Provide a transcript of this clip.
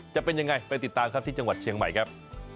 จะเป็นยังไงไปติดตามครับที่จังหวัดเชียงใหม่ครับ